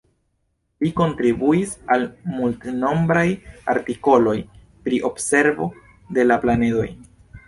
Li kontribuis al multnombraj artikoloj pri observo de la planedoj.